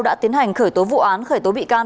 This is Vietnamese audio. đã tiến hành khởi tố vụ án khởi tố bị can